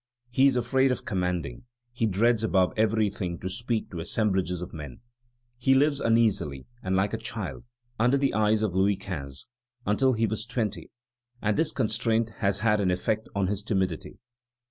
He is afraid of commanding; he dreads above everything to speak to assemblages of men. He lived uneasily and like a child, under the eyes of Louis XV. until he was twenty, and this constraint has had an effect on his timidity.